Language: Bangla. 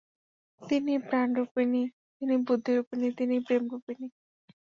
তিনিই প্রাণরূপিণী, তিনিই বুদ্ধিরূপিণী, তিনিই প্রেমরূপিণী।